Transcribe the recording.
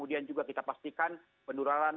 dan juga kita pastikan penurunan